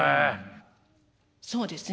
そうですね。